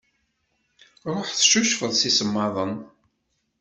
Ṛuḥ tcucfeḍ s isemmaḍen.